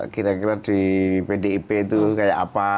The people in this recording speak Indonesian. kira kira di pdip itu kayak apa